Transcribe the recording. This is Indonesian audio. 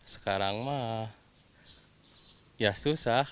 sekarang mah ya susah